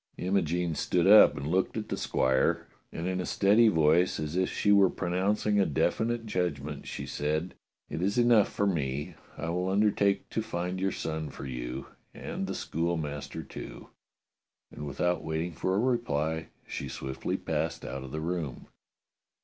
Imogene stood up and looked at the squire, and in a steady voice, as if she were pronouncing a definite judg ment, she said: "It is enough for me. I will undertake to find your son for you, and the schoolmaster, too." And without waiting for a reply she swiftly passed out of the room.